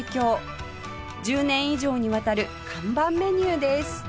１０年以上にわたる看板メニューです